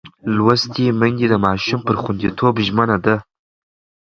لوستې میندې د ماشوم پر خوندیتوب ژمنه ده.